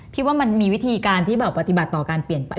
ว่ามันมีวิธีการที่แบบปฏิบัติต่อการเปลี่ยนไป